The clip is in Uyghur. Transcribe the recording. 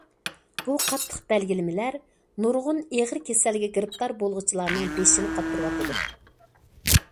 بۇ قاتتىق بەلگىلىمىلەر نۇرغۇن ئېغىر كېسەلگە گىرىپتار بولغۇچىلارنىڭ بېشىنى قاتۇرۇۋاتىدۇ.